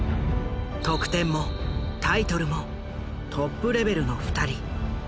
得点もタイトルもトップレベルの２人。